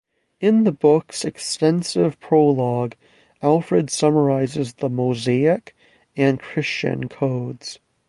In the book's extensive prologue, Alfred summarises the Mosaic and Christian codes.